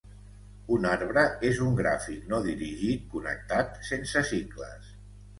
Un arbre és un gràfic no dirigit connectat sense cicles.